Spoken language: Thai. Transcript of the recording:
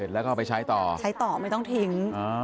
แล้วก็เอาไปใช้ต่อใช้ต่อไม่ต้องทิ้ง